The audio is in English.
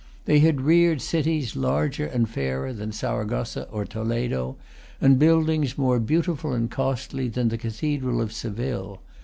They had reared cities larger and fairer than Saragossa or Toledo, and buildings more beautiful and costly than the cathedral of Seville.